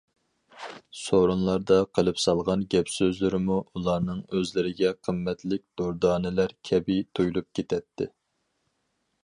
سورۇنلاردا قىلىپ سالغان گەپ- سۆزلىرىمۇ، ئۇلارنىڭ ئۆزلىرىگە قىممەتلىك دۇردانىلەر كەبى تۇيۇلۇپ كېتەتتى.